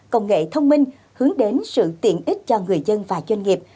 công nghệ thông minh hướng đến sự tiện ích cho người dân và doanh nghiệp